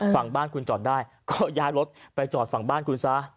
ฝั่งบ้านคุณจอดได้ก็ย้ายรถไปจอดฝั่งบ้านคุณซะ